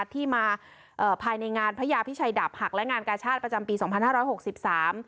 ที่มาเอ่อภายในงานพระยาพิชัยดาบหักและงานกาชาติประจำปีสองพันห้าร้อยหกสิบสาม